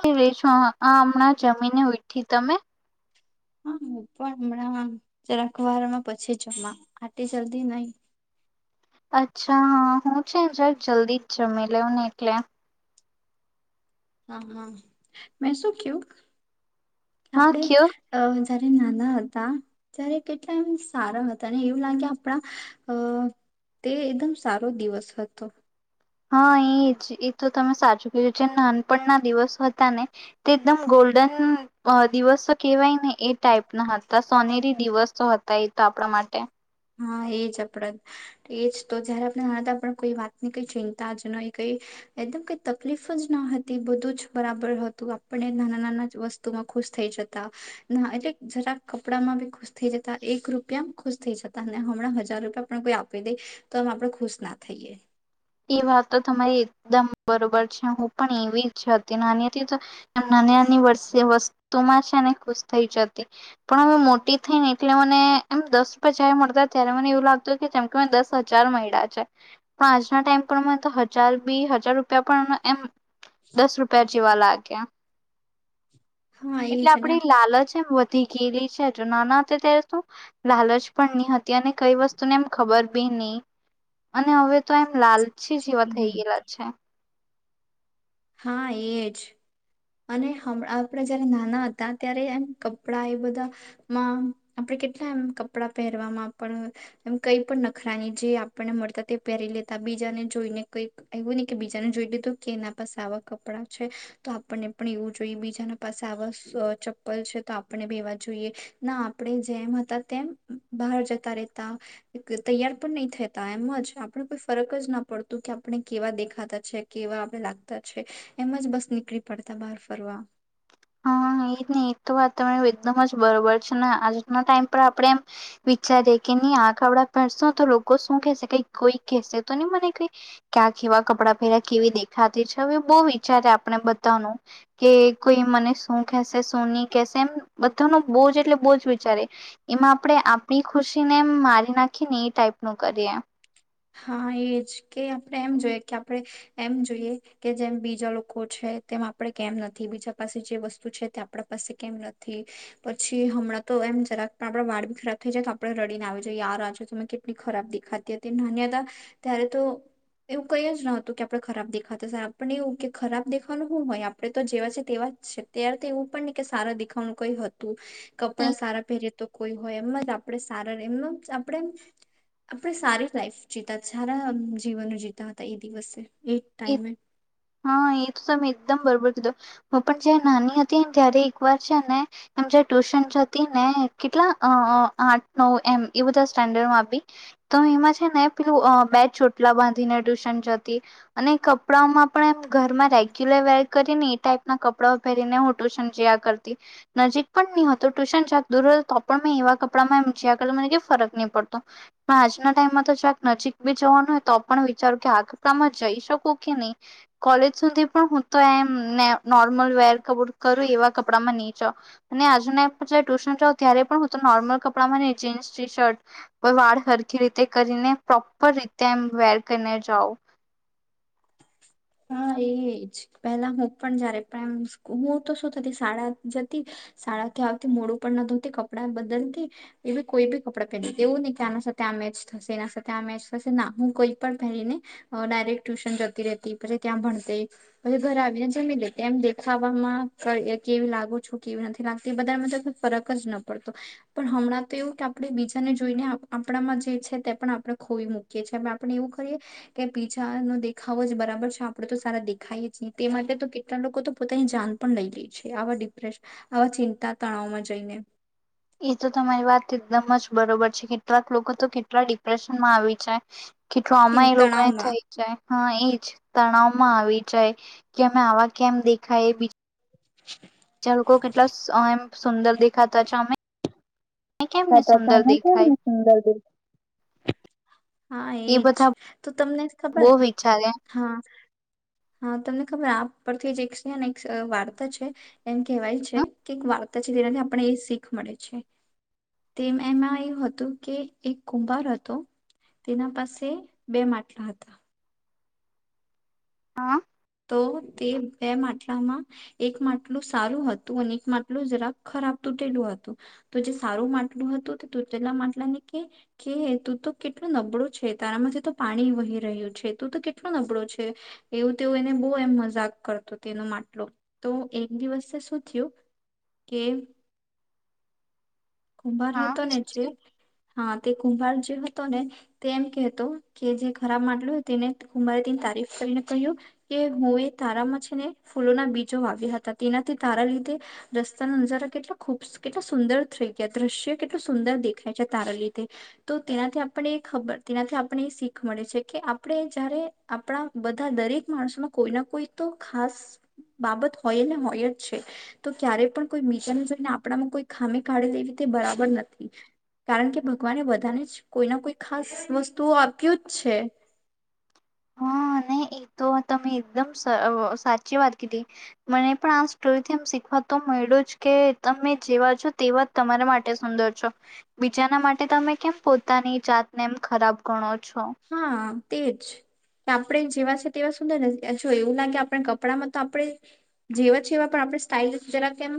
કઈ રીતે [unintelligible] આ હમણાં જમીન ઉયઠી તમે? હા હું પણ હમણાં જરાકવારમાં પછી જમા આટી જલ્દી નઈ. અચ્છા હા હું છે જક જલ્દી જ જમી લઉ ને એટલે. હા હા મે શું કેવુ. હા આપડ કયો અ જારે નાના હતા ત્યારે કેટલા એમ સારા હતા અને એવું લાગે આપણા અ તે એકદમ સારો દિવસ હતો. હા એ જ એ તો તમે સાચું કયુ જે નાનપણના દિવસ હતા ને તે એકદમ ગોલ્ડન અ દિવસ તો કેહેવાય ને એ ટાઈપ ના હતા સોનેરી દિવસો હતા એ તો આપણા માટે. હા એજ આપડે એજ તો જયારે આપણે નાના હતા કોઈ વાતની કઈ ચિંતા જ નહી કઈ એકદમ કઈ તકલીફ જ ન હતી બધું જ બરાબર હતું આપને નાના નાના વસ્તુમાં ખુશ થઈ જતા એટલે જરાક કપડામાં બી ખુશ થઈ જતા એક રૂપિયામાં ખુશ થઈ જત હમણાં હજાર રૂપિયા પણ કોઈ આપી દે તો અમ આપડે ખુશ ના થઈએ. એ વાતો તો તમારી એકદમ બરોબર છે, હું પણ એવી જ હતી નાની હતી તો આમ નાની નાની વર્ષ વસ્તુમાં છે ને ખુશ થઈ જતી પણ હવે મોટી થઈ ને એટલે મને એમ દસ રૂપ જારે મળતા ત્યારે મને એવું લાગતું કે જેમ કે મને દસ હજાર મળ્યા છે પણ આજ ટાઈમ પર તો હજાર બી હજાર રૂપિયા પણ એમ દસ રૂપિયા જેવા લાગ ક્યા. હા એજ એટલે અને આપડે લાલચ વધારે. ધી કેલી છે, તો નાના હતા ત્યારે સુ લાલચ પણ નહી હતી અને કઈ વસ્તુને એમ ખબર બી નહી અને હવે તો એમ લાલ ચી જેવા થઈ આપણે ગયેલા છે. હા એજ. અને હમ આપડા જયારે નાના હતા ત્યારે એમ કપડા એ બધામાં આપણે કેટલા એમ કપડા પહેરવામાં પણ એમ કઈ પણ નખરાની જે આપણને મળતા તે પહેરી લેતા બીજાને જોઈને કઈક એવું નહી કે બીજાને જોઈ લીધું કે એના પાસે આવા કપડાં છે, તો આપણને આપણે એવું જોઈએ બીજાના પાસે એવા ચપ્પલ છે તો આપણે ભી જોઈએ ના આપણે જેમ હતા તેમ બહાર જતા રહેતા તૈયાર પણ નહી થતા એમ જ આપણે કોઈ ફરક જ ના પડતું કે આપણે કેવા દેખાતા છે કેવા આપણે લાગતા છે એમ જ બસ નીકળી પડ તબાર ફરવા હા એ નહી એ તો વાતને એકદમ જ બરોબર છે ને આજના ટાઈમ પર આપણે એમ વિચારી કે નઈ આ કપડાં પહેરશો તો લોકો શું કેશે કઈ કોઈ કેહેશે તો નહી મને કઈ ક્યાં કેવા કપડાં પહેર્યા કેવી દેખાતી છે હવે બહ વિચારે આપણે બહાનું કે કોઈ મને શું કેશે શું નહી કેશે એમ બધા ન બહજ એટલે બહુજ વિચારી એમાં આપણે આપણી ખુશી ને એમ મારી નાખી ને એ ટાઈપ ન કરીએ હા એજ કે આપણે એમ જોઈએ કે આપણે એમ જોઈએ કે જેમ બીજા લોકો છે તેમ આપડે કેમ નથી બીજા પાસે જે વસ્તુ છે તે આપણા પાસે કેમ નથી પછી હમણાં તો એમ જરાક પણ આપડા વાળ ખરાબ થઈ જાય તો આપડે રડીને આવ જઈએ યાર આજો તમે કેટલી ખરાબ દેખાતી તે નાન્યતા ત્યારે તો એવું કઈ જ ન હતું કે આપણે ખરાબ દેખાતા પણ એવું કે ખરાબ દેખવાનું હું હોય આપડણે તો જેવા છે તેવા જ છે ત્યારે તો એવું પણ નહી કે સારા દેખાવાનું કઈ હતું. એ કપડા સારા પહેરે તો કોઈ હોય એમમાં જ આપણે સારા એમના આપણે આપણે સારી લાઈફ જીતા સારા જીવનો જીતા હતા એ દિવસે એ હા એ તો તમે એકદમ બરોબર ધુ હું પણ જ્યાં નાની હતીન ત્યારે એક વાર છે ને એમ જે ટ્યુશન જતી ને કેટલા અઅ આઠ નવ એમ એ બધા સ્ટેન્ડર્ડમાં આપી તો એમાં છે ને પેલું અ બે ચોટલા બાંધીને ટ્યુશન જતી. અને કપડામાં પણ એમ ઘરમાં રેગ્યુલર વેર કરીને એ ટાઈપ ના કપડાઓ પહેરીને હું ટુશન જયા કરતી નજીક પણ ની હતું ટુશન જક દૂર હ તો પણ મેં એવા કપડામાં એમ જયા કર મને કઈ ફરક નહી પડતો પણ આજના ટાઈમમાં તો જક નજીક બી જવાનું હોય તો પણ વિચારું કે આ કપડામાં જઈશ શકુ કે નહી. કોલેજ સુધી પણ હું તો એમ ને નોર્મલ વેર કબ કરું એવા કપડામાં નહી જાવ અને આજના જય ટ્યુશન જાઓ ત્યારે પણ હું તો નોર્મલ કપડામાં નહી જીન્સ ટી શર્ટ કોઈ વાળ સરખી રીતે કરીને પ્રોપર રીતે એમ વેર કરીને જાવ. હા એજ પેલા હું પણ જ્યારે પણમ હું તો શું થતી શાળા જતી શાળાથી આવતી મોડું પણ ન ધોતી કપડા બદલતી એવી કોઈ બી કપડાં પહેરી દેવું નહી કે આના સાથે આ મેચ થશે એના સાથે આ મેચ થશે ના હું કઈ પણ પહેરીને અ ડાયરેક્ટ ટ્યુશન જતી રેતી. પછી ત્યાં ભણ તે પછી ઘરે આવીને જમી લેત એમ દેખાવામાં ક અ કેવી લાગો છો કેવી નથી લાગતી એ બધામાં ફરક જ ન પડતો પણ હમણાં તો એવું કે આપણે બીજાને જોઈને આપણામાં જે છે તે પણ આપણે ખોઈ મૂકીએ છીએ આપણે એવું કરીએ કે બીજા નો દેખાવો જ બરાબર છે આપણેે તો સારા દેખાય છીએ તે માટે તો કેટલા લોકો તો પોતાની જાન પણ લઈ લે છે આવા ડિપ્રેશ આવા ચિંતા તાણાવમાં જઈને. એ તો તમારી વાત એકદમ જ બરોબર છે કેટલાક લોકો તો કેટલા ડિપ્રેશનમાં આવી જાય. કે ચિં ટ્રોમા એ લોગને તણાવમાં થઈ જાય હા એ તણાવમાં આવી જાય કે અમે આવા કેમ દેખાયે જા લોકો કેટલા શ અ એમ સુંદર દેખાતા છ અમે કેમ ને છતા સુંદર તમે કેમ દેખાય ને સુંદર દી હા એ એજ બધા તો તમને બહુ ખબર વિચારે હ હા. હા તમને ખબર આપ પરથી જેક છે ને એક વાર્તા છે એમ કહેવાય છે કે એક વાર્તા છે જેનાથી આપને એ શીખ મળે છે. તેમ એમાં એવુ હતું કે એક કુંભાર હતો તેના પાસે બે માટલા હતા. હા. તો તે બે માટલામાં એક માટલું સારું હતું અને એક માટલું જરાક ખરાબ તૂટેલું હતું તો જે સારું માટલું હતું તે તૂટેલા માટલા ને કે કે તું તો કેટલું નબળું છે તારામાંથી તો પાણી વહી રહ્યું છે તું તો કેટલું નબળો છે એવું તે એને બહુ એમ મજાક કરતો તેનો માટલૂ તો એક દિવસે શું થયું કે કુંભાર હા હતો ને જે હા તે કુંભાર જે હતો ને તે એમ કેહેતો કે જે ખરાબ માટલું તેને કુંભારે તેની તારીફ કરીને કહ્યું કે હું એ તારામાં છે ને ફૂલોના બીજો વાવ્યા હતા તેનાથી તારા લીધે રસ્તાનો નજારો કેટલો ખૂબ કેટલા સુંદર થય. કે દ્રશ્ય કેટલું સુંદર દેખાય છે તારા લીધે તો તેનાથી આપને એ ખબર તેનાથી આપને એ શીખ મળે છે કે આપણે જયારે આપણા બધા દરેક માણસોમાં કોઈ ના કોઈ તો ખાસ બાબત હોય ને હોય જ છે તો ક્યારે પણ કોઈ બીજાને જોઈને આપણામાં કોઈ ખામી કાઢી લે તે બરાબર નથી કારણ કે ભગવાને બધાને જ કોઈના કોઈ ખાસ વસ્તુઓ આપ્યું જ છે હા ને એ તો તમે એકદમ સ અ સાચી વાત કીધી મને પણ આ સ્ટોરીથી એમ શીખવા તો મળ્યું જ કે તમે જેવા છો તેવા જ તમારા માટે સુંદર છો બીજાના માટે તમે કેમ પોતાની જાતને એમ ખરાબ ગણો. છો હા. તે જ કે આપણે જેવા છે તેવા સુંદર ને જો એવું લાગે આપણે કપડામાં તો આપણે જેવા છેવા પણ આપણે સ્ટાઇલ જરા કેમ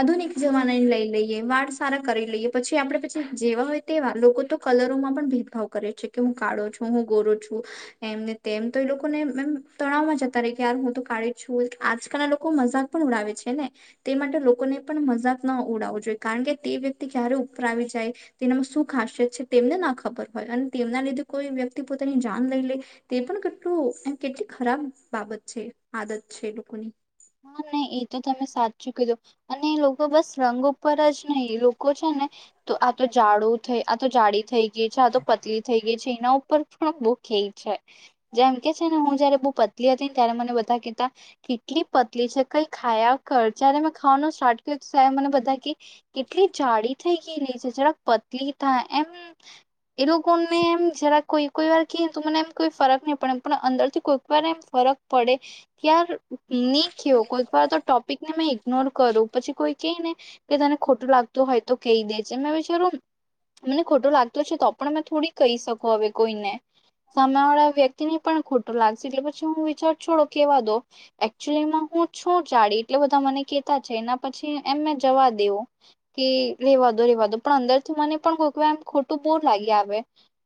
આધુનિક જમાનાને લઈ લઈએ વાળ સારા કરી લઈએ પછી આપડે પછી જેવા હોય તેવા લોકો તો કલરોમાં પણ ભેદભાવ કરે છે કે હું કાડો છો હું ગોરો છું એમને તેમ તો એ લોકોનેમ તણાવમાં જતા રય કેયાર હું તો કાડી છું આજકાલના લોકો મજાક પણ ઉડાવે છે ને તે માટે લોકોને પણ મજાક ના ઉડાવવું જોઈએ કારણ કે તે વ્યક્તિ ક્યારે ઉપર આવી જાય તેનામાં શું ખાસિયત છે તેમને ના ખબર હોય અને તેમના લીધે કોઈ વ્યક્તિ પોતાની જાન લઈ લે તે પણ કેટલું કેટલી ખરાબ બાબત છે આદત છે એ લોકોની. હા નહી એ તો તમે સાચું કીધું અને એ લોકો બસ રંગ ઉપર જ નહી એ લોકો છે ને તો આ તો જાડું થઈ આ તો જાડી થઈ જે છે તો પતલી થઈ એ છે એના ઉપર પણ બો કેય છે જેમ કે છેને હું જયારે બો પતલી હતી ને ત્યારે મને બધા કેતા કેટલી પતલી છે કઈ ખાયા કર જયારે મેં ખાવાનું સ્ટાર્ટ કર્યું ત્યારે મને બધા કે કેટલી જાડી થઈ ગયેલી છે જરાક પતલી થા એમ એ લોકો કો ને એમ જરાક કોઈ કોઈ વાર કેય તો મને એમ કોઈ ફરક નહી પડે પણ અંદર થી કોઈક વાર એમ ફરક પડે ક્યાર ની કેવો કોઈક વાર તો ટોપિક ને મેં ઈગ્નોર કરું પછી કોઈ કે ને કે તને ખોટું લાગતું હોય તો કહી દે જે મેં વિચારું મને ખોટું લાગતું છે તો પણ થોડી કહી શકુ હવે કોઈને સામે વાળા વ્યક્તિને પણ ખોટું લાગશે એટલે પછી હું વિચાર છોડો કેવા દો એ ચ્યુલીમાં હું છું જાડી એટલે બધા મને કેતા છે એના પછી એમ મે જવા દેવુ કે રેવા દો રેવા દો પણ અંદર થી મને પણ કોઈક વાર એમ ખોટું બો લાગી આવે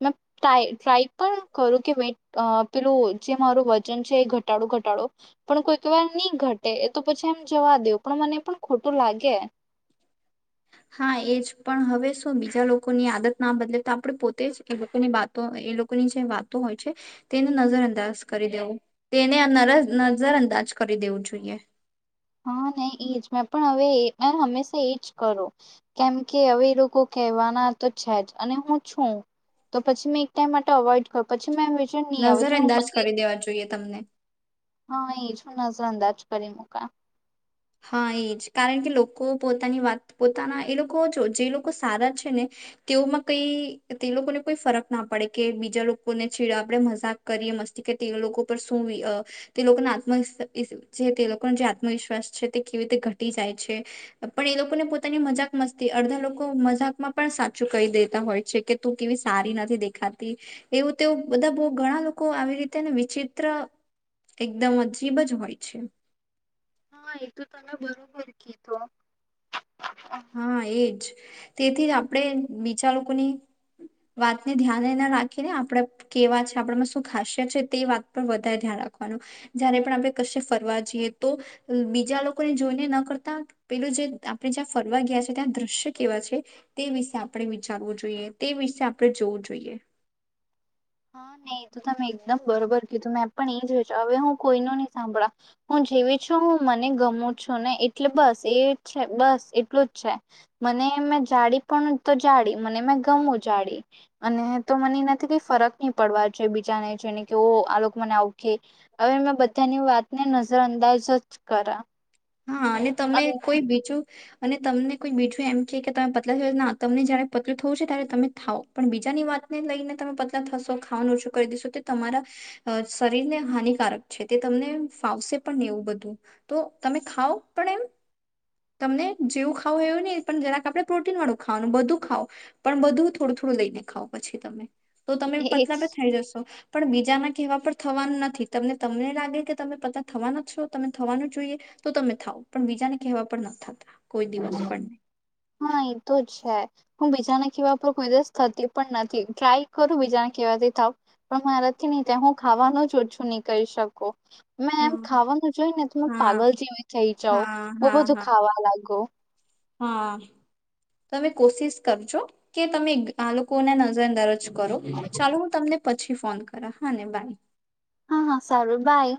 મે ટ્રાય ટ્રાય પણ કરું કે વે પેલું જે મારું વજન છે એ ઘટાડો ઘટાડો પણ કોઈક વાર ની ઘટે એ તો પછી એમ જવા દેવ પણ મને પણ ખોટું લાગે. હા એજ પણ હવે શું બીજા લોકોની આદત ના બદલે તો આપણે પોતે જ એ લોકોની બતો એ લોકોની જે વાતો હોય છે તેને નજર અંદાજ કરી દેવું તેને નારાજ નજર અંદાજ કરી દેવું જોઈએ. હા નહી એજ મેં પણ હવે હંમેશા એજ કરુ કેમ કે હવે એ લોકો કહેવાના તો છે જ અને હું છું તો પછી મેં એક ટાઈમ માટે અવોઈડ કરુ પછી મેં એમ વિચાર નહી આવે નજર તો હું અંદાજ પતે. કરી દેવા જોઈએ તમને. હા એજ હું નજર અંદાજ કરી મુકા. હા એ જ કારણ કે લોકો પોતાની વાત પોતાના એ લોકો જે લોકો સારા છે ને તેઓમાં કઈ તે લોકોને કોઈ ફરક ના પડે કે બીજા લોકોને છેીડા આપણે મજાક કરીએ મસ્તી કે તે લોકો પર શું આ તે લોકોના આત્મ [unintelligible] જે તે લોકોનો જે આત્મવિશ્વાસ છે. કેવી રીતે ઘટી જાય છે પણ એ લોકોને પોતાની મજાક મસ્તી અડધા લોકો મજાક માં પણ સાચું કહી દેતા હોય છે કે તું કેવી સારી નથી દેખાતી એવું તે બધા બો ઘણા લોકો આવી રીતે વિચિત્ર એકદમ અજીબ જ હોય છે. હા એ તો તમે બરોબર કીધો. હા એજ. તેથી જ આપણેે બીજા લોકોની વાતને ધ્યાને ના રાખીને આપણેે કેવા છે આપણામાં શું ખાસિયત છે તે વાત પર વધારે ધ્યાન રાખવાનું જયારે પણ આપણે કશે ફરવા જઈએ તો બીજા લોકોને જોઈને ન કરતા પેલું જે આપણે જ્યાં ફરવા ગયા છે ત્યાં દ્રશ્ય કેવા છે તે વિશે આપણે વિચારવું જોઈએ તે વિશ આપણે જોવું જોઈએ. હા નહી તું તમ મે એકદમ બરોબર કીધું ને મે પણ એ જ હવે હું કોઈ નો નહી સાંભળા હું જેવી છું હું મને ગમું છું ને એટલે બસ એ છે બસ એટલું જ છે મને મેં જાડી પણ તો જાડી મને મે ગમું જાડી અને તો મને નથી કંઇ ફરક ની પડવા જો બીજા ન જોને કે ઓ આ લોકો મને ઓખે હવે મેં બધાની વાતને નજર અંદાજ જ કરા. હા અને તમે કોઈ બીજું અને તમને કોઈ બીજું એમ છે કે તમે પતલા થયો તમને જયારે પતલું થવું છે ત્યારે તમે થાવો પણ બીજાની વાતને લઈને તમે પતલા થશો ખાવાનું ઓછું કરી દશો તે તમારા શરીરને હાનિકારક છે તે તમને ફાવશે પણ ને એવું બધું તો તમે ખાવો પણ એમ તમને જેવું ખાવો એવું નહી પણ જરાક આપડે પ્રોટીન વાળું ખાવાનું બધું ખાવ પણ બધું થોડું થોડું લઈ ને ખાવ પછી તમે. તો તમે પતલા એજ પણ થઈ જશો. પણ બીજાના કહેવા પર થવાનું નથી તમને તમને લાગે કે તમે પતલા થવાના છો તમે થવાનું જોઈએ તો તમે થાવ પણ બીજાને કહેવા પણ નથી થતો. હા એતો છે જ. હું બીજાના કેવા પર કોઈ દિવસ થતી પણ નથી ટ્રાય કરું બીજાના કેવા થી થાવ પણ મારાથી ની થાય હું ખાવાનું જ ઓછું નહી કરી શકું. મેં એમ ખાવાનું જોય ને તો મે હા પાગલ જેવી થઇ જાઉં હા બો હા બધું હા ખાવા લાગુ. હા તમે કોશિશ કરજો કે તમે આ લોકોને નજર અંદાર જ કરો ચાલો હું તમને પછી ફોન કરા હા ને બાય. હા હા સારું બાય.